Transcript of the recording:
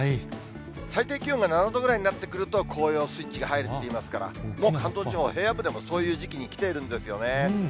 最低気温が７度ぐらいになってくると、紅葉スイッチが入るといいますから、もう関東地方、平野部でもそういう時期に来ているんですよね。